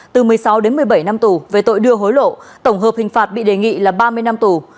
từ một mươi sáu đến một mươi bảy năm tù về tội đưa hối lộ tổng hợp hình phạt bị đề nghị là ba mươi năm tù